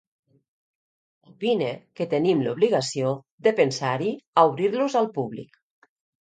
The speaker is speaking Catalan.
Opine que tenim l'obligació de pensar-hi a obrir-los al públic.